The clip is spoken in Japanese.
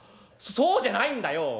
そうじゃないんだよ。